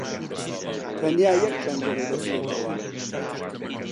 تەنیا یەک پەنجەرە دەکرێتەوە.